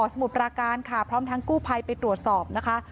สมุทรปราการค่ะพร้อมทั้งกู้ภัยไปตรวจสอบนะคะ